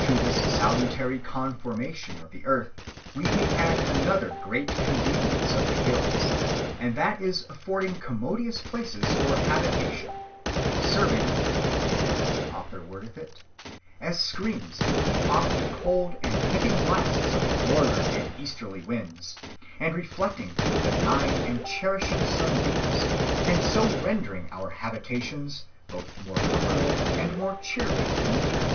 "To this salutary conformation of the earth we may add another great convenience of the hills, and that is affording commodious places for habitation, serving (as an eminent author wordeth it) as screens to keep off the cold and nipping blasts of the northern and easterly winds, and reflecting the benign and cherishing sunbeams, and so rendering our habitations both more comfortable and more cheerly in winter.